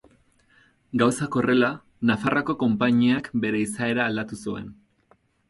Gauzak horrela, Nafarroako konpainiak bere izaera aldatu zuen.